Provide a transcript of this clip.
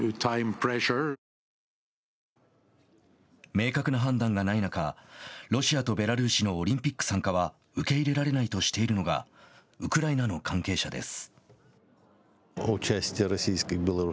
明確な判断がない中ロシアとベラルーシのオリンピック参加は受け入れられないとしているのがウクライナの関係者です。